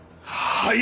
はい！